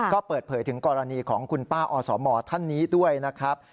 ก็เปิดเผยถึงกรณีของคุณป้าอสมท่านนี้ด้วยนะครับ